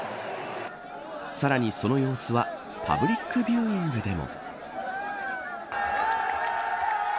さらに、その様子はパブリックビューイングでも。